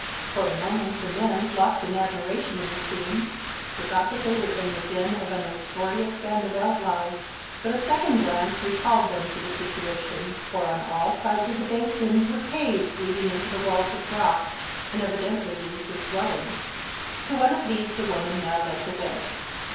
For a moment the men, lost in admiration of the scene, forgot that they were in the den of a notorious band of outlaws, but a second glance recalled them to the situation, for on all sides of the basin were caves leading into the walls of rock, and evidently used as dwellings. To one of these the woman now led the way.